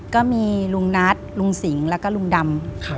ก็มีลุงนัทลุงสิงห์แล้วก็ลุงดำ